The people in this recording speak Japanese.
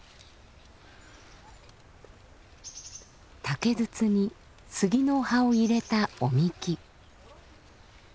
竹筒にスギの葉を入れたお神酒。